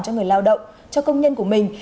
cho người lao động cho công nhân của mình